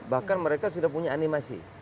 bahkan mereka sudah punya animasi